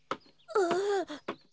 ああ。